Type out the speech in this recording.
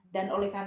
dan oleh kami